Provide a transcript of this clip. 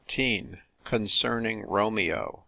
CONCERNING ROMEO.